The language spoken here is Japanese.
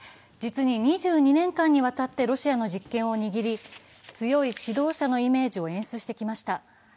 実に２２年間にわたってロシアの実権を握り、強い指導者のイメージを演出してきました。